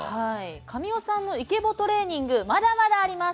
神尾さんのイケボトレーニングまだまだあります！